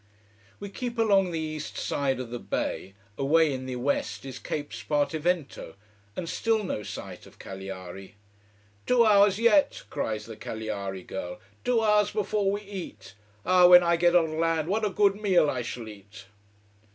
We keep along the east side of the bay away in the west is Cape Spartivento. And still no sight of Cagliari. "Two hours yet!" cries the Cagliari girl. "Two hours before we eat. Ah, when I get on land, what a good meal I shall eat."